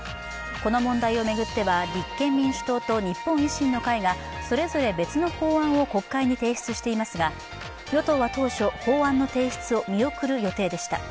この問題を巡っては、立憲民主党と日本維新の会がそれぞれ別の法案を国会に提出していますが与党は当初、法案の提出を見送る予定でした。